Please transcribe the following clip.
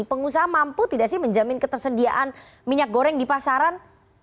pengusaha mampu tidak sih menjamin ketersediaan minyak goreng di pasaran